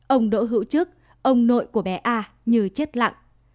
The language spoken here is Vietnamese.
ông đỗ hữu trức ông nội của bé a như chết lạc